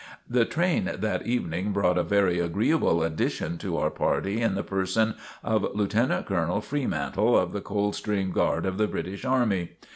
The train that evening brought a very agreeable addition to our party in the person of Lieutenant Colonel Freemantle of the Coldstream Guard of the British Army.